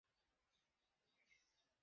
আমি ঘেঁটে দেখছি।